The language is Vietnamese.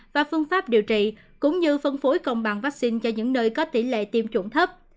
và phương pháp điều trị cũng như phân phối công bằng vaccine cho những nơi có tỷ lệ tiêm chủng thấp